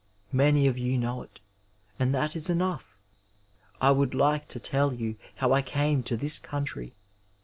Many of you know it, and that is enough. I would like to tell you howl came to this country.